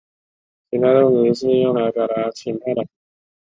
情态动词是用来表示情态的。